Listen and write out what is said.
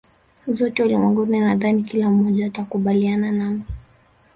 zote ulimwenguni Nadhani kila mmoja atakubaliana nami